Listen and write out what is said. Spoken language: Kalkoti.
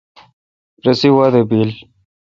رسی وادہ بیل۔